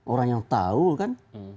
orang yang tahu kan